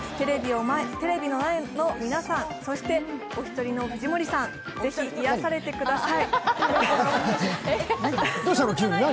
テレビの前の皆さん、そしてお一人の藤森さん、ぜひ癒やされてください。